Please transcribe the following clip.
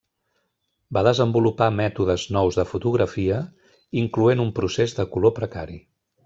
Va desenvolupar mètodes nous de fotografia incloent un procés de color precari.